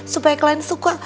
supaya klien suka